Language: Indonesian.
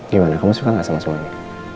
gimana kamu suka gak sama suami